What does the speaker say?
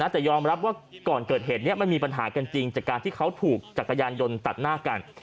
แต่ยอมรับว่าก่อนเกิดเหตุนี้มันมีปัญหากันจริงจากการที่เขาถูกจักรยานยนต์ตัดหน้ากัน